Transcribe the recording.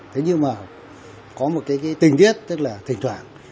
thế nhưng mà có một cái tình tiết tức là thỉnh thoảng